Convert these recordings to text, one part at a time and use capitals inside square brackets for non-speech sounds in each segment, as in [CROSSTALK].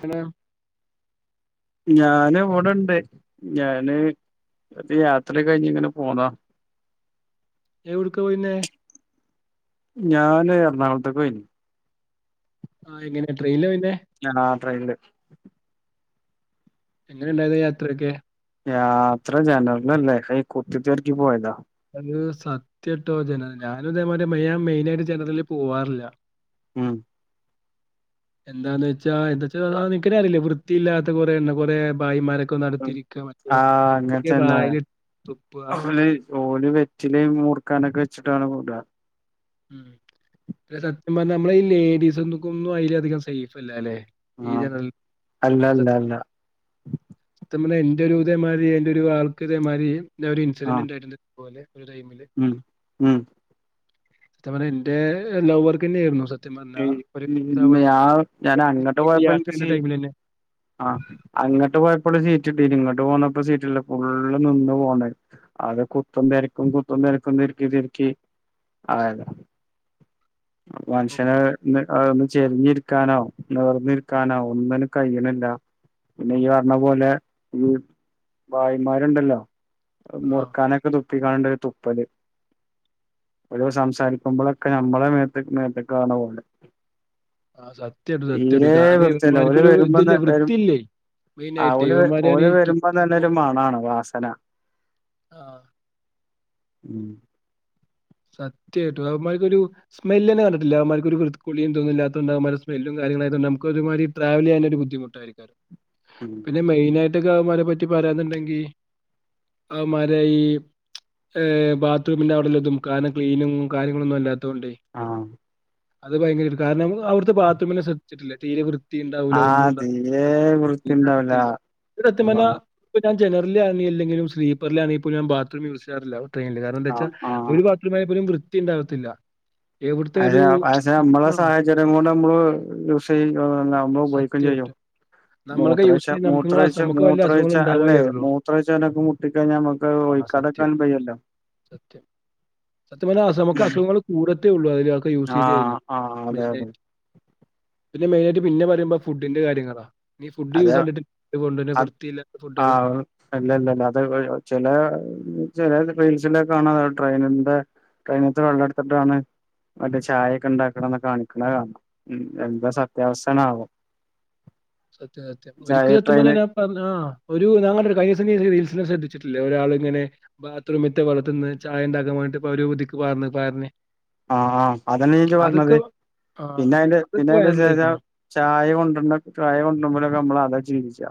പിന്നെ ഞാന് ഇവിടെണ്ട് ഞാന് അത് യാത്ര കഴിഞ്ഞ് ഇങ്ങനെ പോന്നാ എവിടുക്ക് പോയിനേ ഞാന് എറണാകുളത്തേക്ക് പോയി ആഹ് എങ്ങനെയാ ട്രെയിനാ പോയിനേ ആ ട്രെയിനില് എങ്ങനെ ഉണ്ടായിരുന്നു യാത്രയൊക്കെ യാത്ര ജനറലല്ലേ ഈ കുത്തിത്തർക്കി പോയതാ അത് സത്യട്ടോ ജന ഞാനും ഇതേമാതരി മെയിനായിട്ട് ജനറിൽ പോവാറില്ല മ് എന്താന്ന് വെച്ചാ എന്താച്ചാൽ നിക്കനേ അറിയില്ല വൃത്തിയില്ലാത്ത കൊറെ കുറെ ഭായിമാരൊക്കെ നടത്തിയിരിക്കുക മറ്റേ ആഹ് ഒക്കെ അങ്ങനതന്നെ വായില് തുപ്പുക ഓല് ഓല് വെറ്റില മൂർക്കാനൊക്കെ വെച്ചിട്ടാണ് കൂട മ് ലെ സത്യം പറഞ്ഞൽ നമ്മള ഈ ലേഡീസ്ന്നക്ക ഒന്നും അതില അധികം സേഫ് അല്ലലേ ആ അല്ല അല്ല അല്ല [UNINTELLIGIBLE] എന്റെറെ ഒരു ഇതേമാതിരി എന്റെ ഒരു ആൾക്കുതേമാതി ഒരു ആ ഇൻസിഡന്റ് ഉണ്ടായിണ്ട് ന ഇത പോലെ ഉം ഉം സത്യം പറഞ്ഞ എന്റെ ലവർക്ക് തന്നെയ ആയിരുന്നു സ ഞാൻ ഞൻ അങ്ങോട്ട് പോയപ്പോ യാത്രയുടെ എനിക്ക് ടൈമിലെന്നെ ആഹ അങ്ങട്ട് പോയപ്പോഴും ചീറ്റി തിരിങ്ങോട്ട് പോണപ്പോ സീറ്റല്ല ഫുള്ള് നിന്ന് പോണ അത് കുത്തും തിരക്കും കുത്തും തിരക്കും തിർക്കി ആയ [INAUDIBLE] ക്ഷനെ അ ഒന്ന് ചെരിഞ്ഞിരിക്കാനോ നേർന്നിരിക്കാനോ ഒന്നും കഴിയണില്ല പിന്നെ ഈ പറഞ്ഞ പോലെ ഈ വായിമാരുണ്ടല്ലോ ആ മുർക്കാനൊക്കെ തുപ്പിക്കാണ്ട് തുപ്പല് ഒരു സംസാരിക്കുമ്പോഴൊക്കെ നമ്മള മേതക്ക് [INAUDIBLE] ആ സത്യായിട്ടും സത്യായിട്ടും തീരെ കാരണം വൃത്തിയല്ല ഓല് ഇവന്മാർക്കൊരു വരുമ്പോന്ന ഇതില്ലേ വരും വൃത്തിയില്ലേ ആ മെയിനായിട്ട് ഓല് ഇവന്മാരാണ് ഓല് ഈ വരുമ്പോ തുപ്പുമ്പോ തന്നെരു മണാണ് വാസന ആ ഉം സത്യായിട്ട അ അവർക്കരു സ്മെല് തന്നെ കണ്ടട്ടില്ലമാർക്കരു കൃ കുളിയും തോന്നുന്നില്ലാത്തതണ്ട് സ്മെല് ല്ലും [INAUDIBLE] ഒരു ബുദ്ധിമുട്ടായിരിക്ക ഉം പിന്നെ മൊയിനായിട്ട് വമാരെ പറ്റി പറയാനുണ്ടെങ്കി അവന്മാരെ ഈ ബാത്റൂമിന്റെ അവിടെലതും കാരണം ക്ലീനിങ്ങും കാര്യങ്ങളൊന്നും അല്ല ആ അത് ഭയങ്കര കാരണം അ അവടുത്തെ ബാത്റൂമിനെ ശ്രച്ചിട്ടില്ല തീരെ വൃതി ണ്ടാവൂല ഒന്നും ആഹ് തീരെ ഉണ്ടാവൂല. ക്ലീൻ വൃത്തിണ്ടാവില്ല അക്കത്തില്ല. സത്യം പറഞ്ഞ ആഹ് ഞാ ജനറല ആണ അല്ലെലും സ്ലീപ്പറിലാണങ്കപ്പോ ഞാൻ ബാത്റൂം യൂസ് ചെയാറില്ല ട്രെനിൽ കാരണംന്താ വെച്ചാ ആഹ് ആഹ് ബാത്രറമായി പോലും വൃത്തിയ ഉണ്ടകത്തില്ല [UNINTELLIGIBLE] [UNINTELLIGIBLE] നമ്മളൊക്കെ യൂസ് മൂത്രാഴ്ച്ച ചെയ്യുന്ന നമുക്ക് ഇങ്ങളെ അസു മൂത്രാഴ്ച നമുക്ക് വല്ല മൂത്രാഴ്ച അസുഖങ്ങളും അല്ലേ ഉണ്ടാവായികല്ലോ. മൂത്രാഴ്ച്ചനൊക്കെ മുട്ടിക്കഴിഞ്ഞാൽ നമുക്ക് ആ പോയി സത്യം, കടക്കാൻ വെയല്ലോ സത്യം സത്യം നമുക്ക് അസുഖങ്ങൾ കൂടത്തേ ഉള്ളൂ ക്കെ യൂസ് ചെയ്ത് കഴിഞ്ഞ ആഹ് ആഹ് അതെ അതെ പിന്നെ മെയിനായിയി പിന്നെ പറയുമ്പോ ഫുഡിന്റെ കാര്യങ്ങളാ നീ ഫുഡ് യൂ കണ്ടിട്ട് കൊണ്ടുവരുന്ന അ വൃത്തിയില്ലാത്ത ആ ഫുഡുകള്. ഇല്ലല്ലല്ല അത് ചില ചെല ട്രൈ അ ട്രെയിനിന്റെ ട്രെയിന വെള്ളെടുത്തിട്ടാണ് മറ്റേ ചായയൊക്കെ ഉണ്ടാക്കണംന്ന് കാണിക്കണ കാണാം എന്താ സത്യാവസ്ഥ ആവോ സത്യം സത്യം ഒരിക്കല സത്യം ട്രെയിന് പറഞാ ആ ഒരു ഞ ഒരു കഴിഞ്ഞ ശദ്ധ വിട്ട ഒരാള ഇങ്ങനെ ബാത്റൂമത്തെ വള്ളത്തന്ന് ചായ ഇണ്ടാകമായിട്ട് അവര് പുതുക്കി പർന്നരെ ആഹ് അതന്നെ ച്ച് പറഞ്ഞത് ആ പിന്നെ അതിന്റെ അതൊക്കെ പിന്നെ അതി വിച്ചാ വൈറലായിക്കുണു. ചായ കൊണ്ട ചായ കൊടുവരുമ്പോളൊക്കെനമ്മളതാ ചിന്തിക്കാ.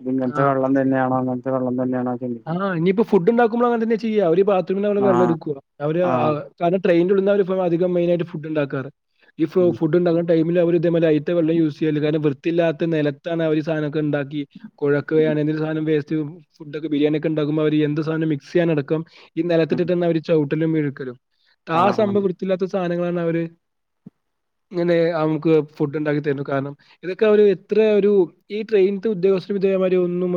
ഇത് ഇങ്ങനത്തെ വെള്ളം തന്നെയണോ അങ്ങനത്തെ വെള്ളം തന്നെയാണോ ചിന്തിക്കും ആഹ് ഇനിയിപ്പോ ഫുഡ്ണ്ടാക്കുമ്പോൾ അങ്ങനെ തന്നെയാ ചെയ്യ അവര് ബാത്റൂമിൽ നമ്മെ വെള്ള ആഹ് എടുക്ക അവര് ആഹ് ആ ട്രെയിനൽള്ളവർ ഇ അധിക മെയിന ആയി ഫുഡ്ണ്ടാക്കാറ് ഈ ഉം ഫുഡ് ഉണ്ടാക്കുന്ന ടൈമിൽ അവര് വെള്ളം യൂസ് ചെയ്യ കാരണം വൃത്തില്ലാത്ത നിലത്താണ് അവ ഒരു സാധനൊക്കെ ഉണ്ടാക്ക കുഴക്കുകണധനം ഇനി സാധനം വേ ബിരിയാണ ഒക്കെണ്ടകുമ്പോ അവര് എന്ത് സധന മിക്സ് ചെയ്യാനടക്ക ഈ ഉം നിലത്തിലട്ട് തന്ന അവര് ചവിട്ടലും മിയിക്കലും ആ ആഹ് ആഹ് സംഭവം വൃത്തിയില്ലാത്ത സാധനങ്ങളാണ് അവര് ഇങ്ങനെ നക്ക് ഫുഡ് ഉണ്ടാക്കി തരുന്നു കാരണം ഇതൊക്കെ അവ എത്ര ഒരു ഈ ട്രെയിൻ ഉദ്യോഗസ്ഥന് വി ഇവര് ഒന്നും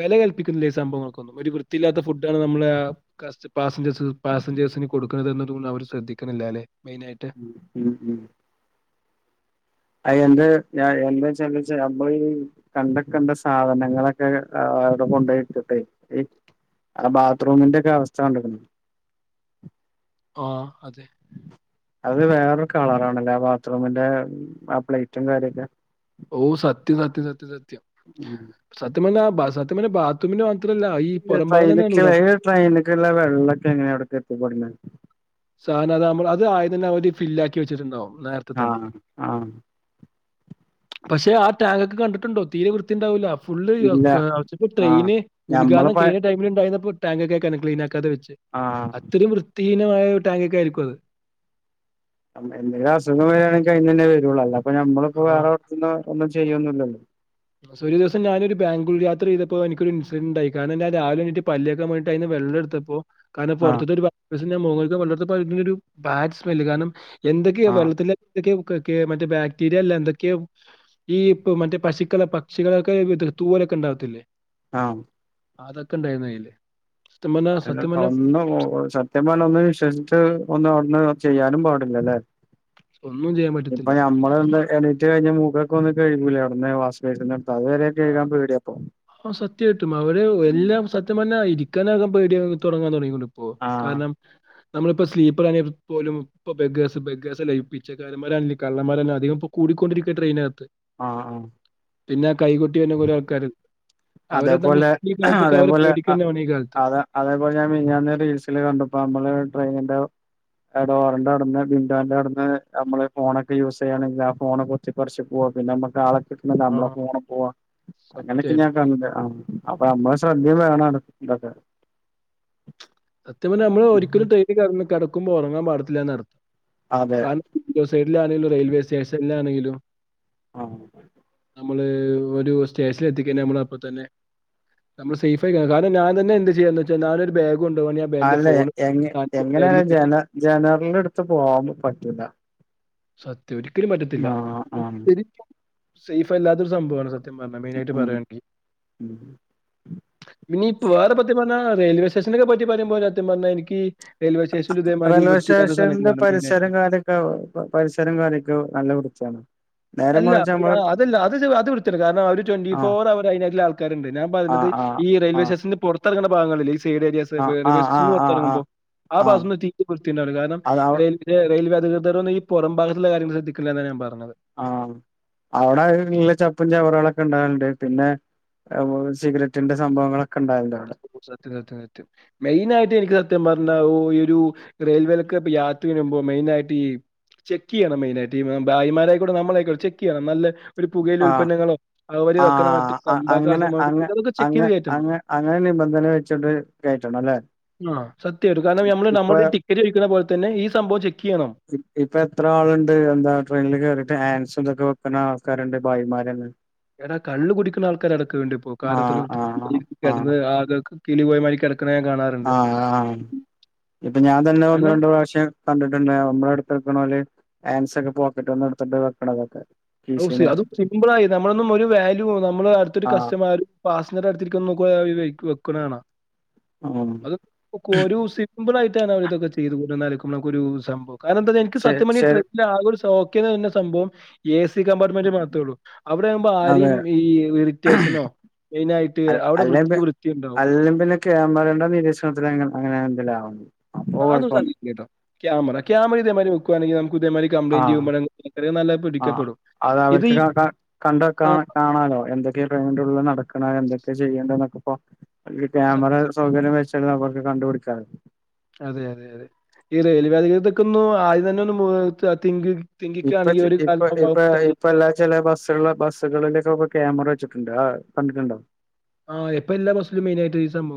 വില ഈ സംഭവങ്ങൾക്കൊന്നും ഒരു വൃത്തിയില്ലാത്ത ഫുഡാണ് നമ്മള് പാസഞ്ചേഴ്സ് പാസഞ്ചേഴ്സിന് കൊടുക്കുന്നത് അവര് ശ്രദ്ധിക്കണില്ല അല്ലെ മെയിൻ ആയിട്ട് ഉം ഉം ഉം അ എന്റെ ഞാൻ എൻ്റെ ചംബെച് നമ്മളി കണ്ട കണ്ട സാധനങ്ങളൊക്കെ അ ആടെ കൊണ്ടോയിട്ട്ട്ടെ ഈ അ ബാത്രൂമിന്റെക്കെ അവസ്ഥ കണ്ടാരുന്നു ആഹ് അതെ അത് വേറൊരു കളറാണല്ലേ ആ ബാത്റൂമിന്റെ ആ പ്ലേറ്റും കാര്യൊക്കെ ഓ സത്യം സത്യം സത്യ സത്യം ഉം സത്യപറഞ്ഞാ ബാ സത്യപറഞ്ഞാ ബത്റൂമിന് ഈ ട്രെയ്നെക്കെ ട്രെയിനൊക്കെല്ല വെള്ളൊക്കെ എങ്ങനാവിടൊക്കെ എത്തിപ്പെടുന്നത് സാനാ അത് നമ്മള് അത് ആദ്യം തന്നെ അവര് ഫില്ലാക്കി വെച്ചിട്ടുണ്ടാവും നേരത്തെ തന്നെ ആഹ് ആഹ് പക്ഷെ ആ ടാങ്കൊക്കെ കണ്ടിട്ടുണ്ടോ തീരെ വൃത്തിണ്ടാവൂല ഫുള്ള് ഇല്ല ഒക്കെ ആഹ് ട്രെയിന് ഞമ്മള് ഉൽഘാടനം പ കേയിഞ്ഞ ടൈമിലുണ്ടായിരുന്നപ്പോ ടാങ്കൊക്കെ ക്ലീൻ ആകി ക്കാതെവെച് ആഹ് അത്രയും വൃത്തിഹീനമായ ഒര് ടാങ്കൊക്കെ ആയിരിക്കും അത് മ് എന്തേലും അസുഖങ്ങള് വര്യാണെങ്കിൽ അയിന്നന്നെ വരൂവൊള്ളൂ അല്ലാപ്പൊ ഞമ്മളിപ്പോ ആ വേറെ ഓർത്തുന്നും ഒന്നുചെ ചെയ്യൊന്നില്ലല്ലോ ഒരു ദിവസം ഞാനൊരു ബാംഗ്ലൂര് യാത്ര ചെയ്തപ്പോ എനിക്കൊര് ഇൻസിഡൻണ്ടായി കാരണം രാവിലെണ്ണീറ്റ് പല്ലേക്കാൻപോയിട്ടയീന്ന് വെ വെള്ളേടുത്തപ്പോ കാരണം ആഹ് പൊറത്തൂന്നൊരു ബ ഞാൻ മുകൾത്തെ വെള്ളേടുത്തപ്പോ അതിനൊരു ബാഡ് സ്മെല് കാരണം എന്തൊക്കെയാ ആഹ് വെള്ളത്തിലൽ എന്തൊക്കെയോ വ് കെ കെ മറ്റേ ബാക്ടീരിയ അല്ല എന്തൊക്കെയോ ഈ ക മറ്റേ പശു ക്കൾടെ പക്ഷികളൊക്കെ ത് തൂവലൊക്കെ ഇണ്ടാവത്തില്ലേ ആം അതൊക്കെ ഇണ്ടായിരുന്നയ്ല് എന്നിട് ഒന്നും ഒ ഒ സത്യം പറഞ്ഞാ ഒന്നിനേം വിശ്വസിച് ട്ട് ഒന്നും അവൻ ചെയ്യാനും പാടില്ലല്ലേ ഒന്നും ചെയ്യാൻ ഇപ്പൊ പറ്റത്തില്ല. ഞമ്മള് എന്തായാല് ച്ചികഴ്ഞ്ഞ് മൂഖോക്കെ ഒന്ന് കഴ്കൂലെ അവിന്ന് വാസ്വൈസിൻ്റെ ആ സത്യായിട്ടും അവര് എല്ലാം സത്യം തന്നെ ആയിരിക്കും ക്കാനൊക്കെ പേടിയാക് തൊടങ്ങാൻ തൊടങ്ങികൊണ്ടിപ്പോ ആഹ് കാരണം നമ്മളിപ്പ സ്ലീപ്പർ ആണേ പോലും പ്പ ബെഗേസ് ബെഗേസല്ലെ പിച്ചക്കാരമ്മാരാണേലും കള്ളമ്മാരല്ല അികം പ്പകൂടി ത്ക്കൊണ്ടിരിക്യാ ട്രെയിനകത്ത് ആഹ് പിന്നെ കൈകൊട്ടിവന്ന കൊരേ ആൾക്കാര് അവരെ അതേപോലെ നമുക്ക് ഈ കാലത്തൊക്കെ അവരെ അതേപോലെ അ പേടിക്കുക വേണം ഈ കാലത്ത് അതെ അതേപോലെ ഞാൻ മിനിഞ്ഞാന്ന് റീൽസില് കണ്ടപ്പോ നമ്മള് ട്രെയിനിന്റെ എഡോറിന്റെ അടുന്ന് വിൻഡോന്റെ അടുന്ന് നമ്മള് ഫോണൊക്കെ യൂസ് ചെയ്യാണെങ്കില് ആ ഫോൺ കൊത്തിപ്പറിച്ച് പോവാ പിന്നെ നമ്മക്ക് ആളെ കിട്ടുന്നില്ല ആ മ്മളെ ഫോണും പോവാ അങ്ങനെക്കെ ഞാൻ സത്യമായിട്ടും ന്തേ ആ അപ്പ നമ്മളെ ശ്രദ്ധേം വേണാണ് ഇതാക്കാ സത്യം പറഞ്ഞാ നമ്മള് ഒരിക്കലും ട്രെയിനികേറ്നിക്കാ കെടക്കുമ്പോ ഒറങ്ങാൻ പാടത്തില്ലാന്നർ അതെ കാർ വിൻ്റോ സൈഡിലാണേലു റെയിൽവേ സ്റ്റേഷൻലാന്നേലും ആ നമ്മൾ ഒരു സ്റ്റേഷനിലെത്തിക്കഞ്ഞാ നമ്മൾ അപ്പത്തന്നെ നമ്മള് സേയ്ഫായിക്കണം കാരണം ഞാൻ തന്നെ എന്ത് ചെയ്യാന്ന് വച്ചാ നാനൊരു ബാഗ് കൊണ്ടുപോകണം ഞാൻ എൻ്റെ അല്ല എ ഫോൺ എങ്ങ് ബാഗിൽ എങ്ങനാണേലു ഇട്ടിട്ട് ജന ജനർലെടുത്തു പോകാൻപറ്റൂല്ല സത്യം ഒരിക്കലും പറ്റത്തില്ല ശെരിക്കും സേഫ് അല്ലാത്തൊരു സംഭാവാണ് അത് സത്യം പറഞ്ഞ മെയ്നായിട്ട് ഉം പറയാണ് ആൺങ്കി ഉം പിന്നീപാതപ്പത്തി ണാറെയിൽവേസ്റ്റേഷനെക്കെ പറ്റി പറയുമ്പോലത്യം സത്യം പറഞ്ഞാ എനിക്ക് റെയിൽവേ സ്റ്റേഷനിലും ഇതേമാതിരി റെയിൽവേ വൃത്തിയില്ലാത്ത സ്റ്റേഷൻന്റെ സ്ഥലങ്ങളാണ് മെയിനായിട്ട്. പരിസരം കാര്യൊക്കെ പ പരിസരം കാര്യൊക്കെ ഒ നല്ല വുർത്തിയാണ് അല്ല [UNINTELLIGIBLE] അതല്ല അതത് അത് വ്യത്തിതന്നെകെ കാർണം അവര് ആ ട്വൊന്റിഫോർ അവറ് അയിനതില് ആൾക്കാരുണ്ട് ഞാൻ ആ പറഞ്ഞത് ആ ഈ ആ റെയിൽവേ സ്റ്റേഷന്റെ പൊറത്തെറങ്ങുന്ന ഭാഗങ്ങളില് ആ തീരെര്യസവേറെ ആ ആ വെശ്ശ്ന്ന് ആ ആ പൊറത്തെറങ്ങുമ്പം ആ ആഭാസ്ന്നെത്തിതീരെ വ്യത്തിണ്ടാവില്ല കാർണ അത് റെയിൽ ഇത് റെയിൽവേ അ ധികൃതരൊന്നും ഈ പൊറം ഭാഗുള്ള കാര്യം ശ്രദ്ധിക്കണില്ലാന്നാ ഞാമ്പറഞ്ഞത് ആഹ് അവ്ടെ ഇള്ളെ ചപ്പും ചവറുകളൊക്കെ ഉണ്ടാകാനുണ്ട് പിന്നെ അ പോലെ സിഗരറ്റിന്റെ സംഭവങ്ങളൊക്കെ ഇ ണ്ടാൽണ്ട സത്യം സത്യം സത്യം മെയിൻ ആയിട്ട് എനിക്ക് സത്യം പറ ഓ ഈ ഒരു റെയിൽവേയിലൊക്കെ ഇ യാത്ര ചെയുമ്പോ മെയിന ആയിട്ട് ഈ ചെക്ക്യ്യണം മെയിനയിട്ട് ഈ ഭായിമാരായിക്കോടെ നമ്മള ആക്കൂടെ ചെക്ക്യ്യണം നല്ല ഒരു പുകയില ആഹ് ഉൽപന്നങ്ങളോ അവര് വെക്കുന്ന മറ്റ് ആഹ് ആഹ് തമ്പാക്ക അങ്ങനെ അതൊക്കെ ചെക്കെയ്ത് കേറ്റണം. വെനെ വെച്ചോണ്ട്കേറ്റണം ലെ ആഹ് സത്യമായിട്ടും കാരണം നമ്മള് നമ്മുടെ ടിക്കറ്റ് ഒഴിക്കുന്ന പോലെ തന്നെ ഈ സംഭവം ചെ‌ക്കെയ്യണം ഇപ്പൊ എത്ര ആളുണ്ട് എന്താ ട്രെയിനിൽ കേയറിയിട്ട് ആൻസ്തൊക്കെ വെക്കുന്ന ആൾക്കാരുണ്ട് ഭായിമാരന്നെ എടാ കള്ള്കുടിക്കുന്ന ആൾക്കാര അടക്ക വേണ്ടി ഇപ്പോ ആഹ് കാലത്തി ആഹ് കിടന്ന് ആക കിളി പോയ മാരിക്കണ് ആഹ ആഹ ഇപ്പൊ ഞാൻ തന്നെ ഒന്ന് കാരണം രണ്ട് പ്രാവശ്യം കണ്ടിട്ടുണ്ട് നമ്മള അടുത്ത്ടുക്കണോല് ഹാൻസ് ഒക്കെ പോക്കറ്റ് ഒന്ന എടുത്തിട്ട് വെക്കണതൊക്കെ കീശേന്ന് അതും എടുത്തിട്ട് സിമ്പിൾ ആയി നമ്മളൊന്നും ഒരു വാല്യൂ നമ്മള് അടുത്തരു ആഹ് കസ്റ്റമർ പാസഞ്ചർ അടുരിക്ക നോ ആവൈ കൊ വെക്ക്ണാണ ഉം അതൊക്കെ രുസിമ്പിൾയിട്ടാണ് അവര്‌തൊക്കെ ചെയ്ത് കൂട്ട്ണ നമുക്കൊരുസംഭവം കാരണം എന്താഎനിക്ക് ശരി സത്യം പറഞ്ഞ ശരി ട്രെക്കില്ത്ത കൊരു സോക്കയ് ദൊരു സംഭവം എ സി സ കമ്പാർ്മെന്റ് മാത്രേള്ളൂ അവിടെ ആകുമ്പോ ആരും അതെ ഈ ഇറിറ്റേഷനോ മെയിന്ആയിട്ട് അവിടെ വൃത്തി വൃത്തിയ ഉണ്ടാവും കേമറേണ്ട നിരീക്ഷണത്തി അങ്ങനെ എന്തെ ലാവണം ആ അതും സദിക്കാ കേട്ടോ ക്യാമറ ക്യാമ ഇതേ മാതിരി വെക്കുവാണെങ്കിൽ ന പുതിയ മാതിരി കംപ്ലൈന്റ് ആഹ് ചെയ്യുമ്പോഴ നല്ല ആഹ് പിക്കപ്പെടും അത് ഇത് ആ എന്തൊക്കെയ ട്രയിന്റുള്ളിൽനടക്കണ എന്തൊക്കെ ചെയ്യണ്ടക്കപ്പോ ക്യാമറ സത്യം. സൗകര്യം വെച്ച് ദ് നമ്മക്ക്കണ്ടുപിടി ചാമതി അതെ അതെ അതെ ഈ റെയിൽ വേധികതൊക്കെ ഒന്ന് ആദ്യം തന്നെ ഒന്ന്തിങ് ഇപ്പ ഇപ്പ ഇപ്പ ഇപ്പ എല്ലാ ചെല ബസ്സു ബസ്സുകളിലൊക്കക്ക ക്യാമറ വെച്ച ണ്ട കണ്ടിട്ടണ്ടോ ആ എപ്പം എല്ലാ ബസ്സിലും മെയിനയി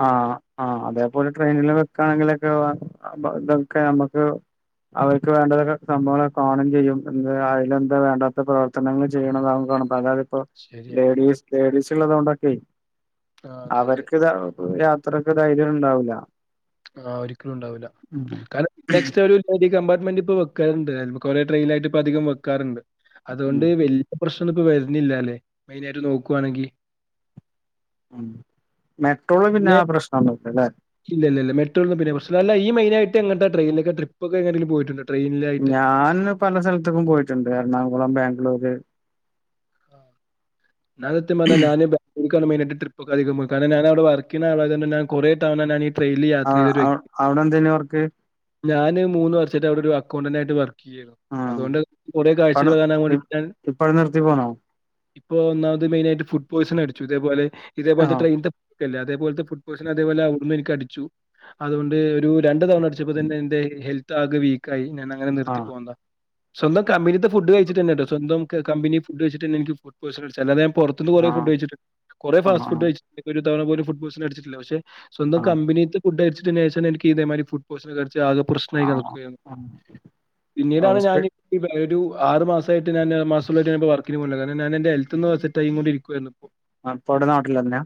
ആഹ് ആ അതേപോലെ ട്രെയിനില് വെക്കാണെങ്കിലൊക്കെ അ ഇതൊക്കെ നമ്മുക്ക് അവർക്ക് വേണ്ട തൊക്കെ ഷ്ടംമ്പോലെ കാണും ചെയ്യും എന്തെ അയിലെന്താ വേണ്ടാത്ത പ്രവർത്തനങ്ങൾ ചെയ്യണതാവും [UNINTELLIGIBLE] ശരിയാണ്. ലേഡീസ് ലേഡീസ്ള്ളത് കൊണ്ടൊക്കെ ആ അതെ അതെ. അവർക്ക് ഇത യാത്രക്ക് ധൈര്യം ഉണ്ടാവുല്ല. ആഹ ഒരിക്കലും ഉണ്ടാവുല്ല. കാരണം നെക്സ്റ്റ് ഒരു കമ്പാർട്ട്മെന്റ് ഇപ്പൊ വെക്കൽണ്ട്. കൊറേ ട്രെയിൻലായിട്ട് ഇപ്പ അധികം വെക്കാറുണ്ട്. ഉം അതോണ്ട് വല്യ പ്രശ്നൊന്നും ഇപ്പൊവരുന്നില്ല ല്ലെ മെയിനായിട്ട് നോക്കുവാണെങ്കി ഉം മെട്രോള് പിന്നെ ആ പ്രശ്നൊന്നുല്ല ല്ലെ ഇല്ല ഇല്ല മെട്രോലൊന്നും പ്രശ്നല്ല ഈ മെയിനായിട്ട് എങ്ങട്ടാ ട്രെയിൻ ലൊക്കെ ട്രിപ്പൊക്കെ എങ്ങട്ടെങ്കിലും പോയിട്ടുണ്ടൊ ഞാന് പല സ്ഥലത്തേക്കും പോയിട്ടുണ്ട് എറണാകുളം ബാംഗ്ലൂര് ആ ഞൻ സത്യം പറഞ്ഞ ഞാന്ബാഗ്ലൂർ മെയിനായിട്ട് ട്രിപ്പക്കെ അധികം പോയി കാരണം ഞാൻ അവിടെ വർക്കെയ്യുന്ന ആളായ തൊണ്ടെന്നെ ഞാന് കൊറേ തവണ നാനി ട്രെയിനിൽ ആ യാത്ര ചെയ്തൊരു ആ വ്യക്തി അവിടെ എന്തേനു വർക്ക്? ഞാന് മൂന്ന് വർഷത്തെ അവിടെ ഒരു അക്കൗണ്ടന്റ് ആയിട്ട് വർക്ക് ആഹ് അതുകൊണ്ട് കൊറെ കാഴ്ചകൾ അവിടെ കാണാൻ വേണ്ടിട്ട് ഞാൻ ഇപ്പവിടെ നിർത്തി പോന്നോ? ഇപ്പൊ ഒന്നാമത് മെയിനായിട്ട് ഫുഡ് പോയിസൺ അടിച്ചു. ഇതേപോലെ ഇതേപോലത്തെ ആഹ് ട്രെയിൻ ത്തെ അതേപോലത്തെ ഫുഡ് പോയിസൻ അതേപോലെ അവിടുന്ന് എനിക്ക്അടിച്ചു അതുകൊണ്ട് ഒരു രണ്ട് തവണ അടിച്ചപ്പോ തന്നെ എന്റെ ഹെൽത്ത് ആകെ വീക്കായി ഞാനങ്ങനെ നിർത്തി ആഹ് പോന്നതാ. സ്വന്തം കമ്പനിത്തെ ഫുഡ് കഴിച്ചിട്ട ന്നെ ട്ടൊ സ്വന്തം കമ്പനി ഫുഡ് കഴിച്ചിട്ടെന്നെ എനിക്ക് ഫുഡ് പോയി സൺ അടിച്ചത് അല്ലാതെ പൊറത്ത്ന്ന് കൊറേ ഫുഡ് ആഹ് കഴിച്ചിട്ട്ണ്ട് കൊറേ ആഹ് ഫാസ്റ്റ് ഫുഡ് ആഹ് കഴിച്ചിട്ടുണ്ട് ഒരു തവണ പോലും ഫുഡ് പോയിസൺ അടിച്ചിട്ടില്ല. പഷേ സ്വന്ത ആഹ് ആകെ പ്രശ്നായിങ്ങനെ ആഹ് നിക്കായിരുന്നു. ആഹ് പിന്നീടാണ് ഞാൻ ഹോസ്പി ഒരു ആറ് മാസായിട്ട് ഞാന് മാസം [UNINTELLIGIBLE] വർക്കിന് പോണില്ല കാരണം ഞാനെന്റെ ഹെൽത്ത്ന്ന് സെറ്റായികൊണ്ടിരി ക്കുവായിന്നു. ആഹ് ഇപ്പോടെ നാട്ടിലെന്യ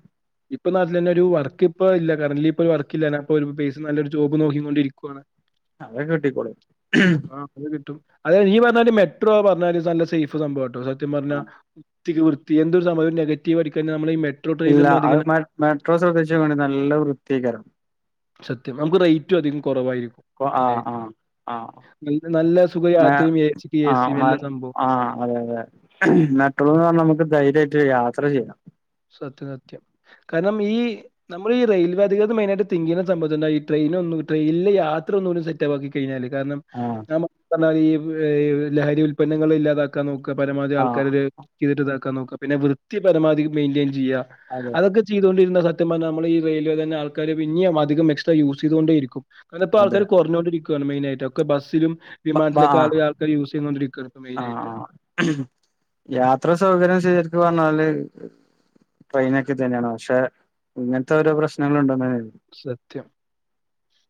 ഇപ്പൊ നാട്ടിലെന്നെ ഒരു വർക്ക്‌ ഇപ്പൊ ഇല്ല കരൻലി ഇപ്പൊ വർക്ക്‌ ഇല്ല ഞാൻ പ്പൊ രു പേസും നല്ലൊരു ജോബും നോക്കിംകൊണ്ടിരിക്കുവാ അതക്കിട്ടിക്കോളും അതെയ് നീ പറഞ്ഞാതിരി മെട്രോ പറഞ്ഞാല് നല്ല സേഫ് സംഭവാട്ടോ സത്യം ആഹ് പറഞ്ഞാൽ ത്തിക്ക് വൃത്തി എന്തൊരു സംഭവോ നെഗറ്റീവടിക്ക നമ്മളെ മെ ഇല്ല അത് മെട്രോശ്രദ്ധിച്ചോക്കണിം നല്ല വൃത്തിയെക്കാരം സത്യം നമുക്ക് റേറ്റും അധികം കൊറവായിരിക്കും കൊ മെയിൻ ആഹ് ആയിട്ട് ആഹ് ആഹ് നല്ല നല്ല സുഖ മെ യാത്രയും എ സിക്ക് എസി നല്ല സംഭവം മെട്രോ ന്ന് പറഞ്ഞമ്മക്ക് ധൈര്യായിട്ട് യാത്ര ചെയ്യാ സത്യം സത്യം കാരണം ഈ നമ്മൾ ഈ റെയിൽവേ അധികൃത മെയിനായിട്ട് തിങ്ക് യ്യുന്ന [UNINTELLIGIBLE] പ്ലെ ട്രെയിനിൽ യാത്ര ഒന്നുടെ സെറ്റാക്കി കഴിഞ്ഞാല് കാരണം ആഹ് നമുക്കി പറഞ്ഞാരി ഈ ലഹരി ഉൽപന്നങ്ങൾ ഇല്ലാതാക്ക പരമാവധി ആഹ് ആൾക്കാര് ഇത് ചിതിട്ട് ഇതാക്കാൻ നോക്ക പിന്നെ വൃത്തി പരമാധി മെയിൻ യ്യ അതെ അതൊക്കെ ചെയ്തൊണ്ടിരുന്ന സ സത്യം പറഞ്ഞ നമ്മളെ ഈ റെയിൽവേ തന്നെ ആൾക്കാര് പിന്നീം അധികം എക്സ്ട്രാ യൂസ് ചെയ്തൊണ്ടിരിക്കും കാരണം ഇപ്പൊ അതെ ആൾക്കാര് കുറഞ്ഞോണ്ടിരിക്കും മെയിനായിട്ട് ഒക്കെ ബസിലും ബ ബ വിമാനത്തിലൊക്കെ ആഹ് ആദ്യ ആൾക്കാരെ യൂസീതോണ്ടിരിക്ക മെയിൻആയിട്ട് യാത്ര സൗകര്യം ശരി പർഞ്ഞാല് ട്രെയിനക്കെ തന്നെയാണ് പക്ഷെ ഇങ്ങൻത്തെ ഓരോ പ്രശ്നങ്ങൾ ണ്ടോ? സത്യം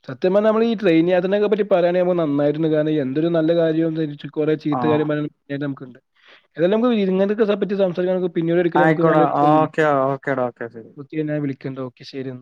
സത്യം പറഞ്ഞാ നമ്മൾ ഈ ട്രെയിൻ യാത്രനെപറ്റി പറയാണെ മ്മക്ക് നന്നായിരുന്നു കാരണം എന്തൊരു നല്ല കാര്യം [UNINTELLIGIBLE] കുറെ ചീത്ത ആഹ് കാര്യോം [UNINTELLIGIBLE] പിന്നീട് ഒരിക്കൽ നമുക്ക് ആയിക്കോട്ടെ ഞാനൊരീസം വിളിക്ക ഓക്കെ ഓക്കേടാ ഓക്കെ ശരി ഒക്കെ ഞാൻ വിളിക്കണ്ട് ഓക്കേ ശരി ന്ന.